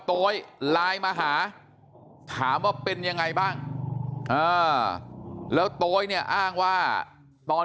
โต๊ยไลน์มาหาถามว่าเป็นยังไงบ้างแล้วโต๊ยเนี่ยอ้างว่าตอน